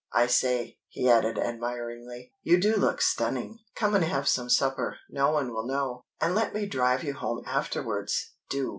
I say," he added, admiringly, "you do look stunning! Come and have some supper no one will know and let me drive you home afterwards. Do!"